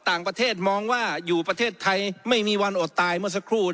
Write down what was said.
ต่างประเทศมองว่าอยู่ประเทศไทยไม่มีวันอดตายเมื่อสักครู่